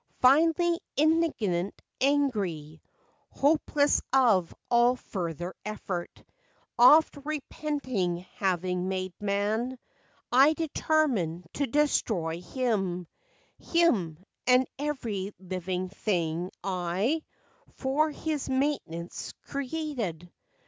Finally, indignant, angry, Hopeless of all further effort, Oft' repenting having made man, I determimed to destroy him, Him, and every living thing I For his maintenance created.